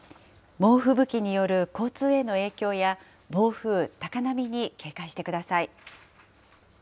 猛吹雪による交通への影響や、暴風、高波に警戒してください。